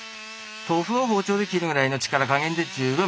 豆腐を包丁で切るぐらいの力加減で十分！